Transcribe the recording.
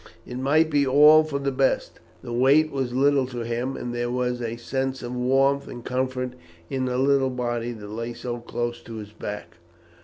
It might be all for the best. The weight was little to him, and there was a sense of warmth and comfort in the little body that lay so close to his back.